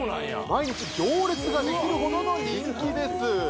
毎日行列ができるほどの人気です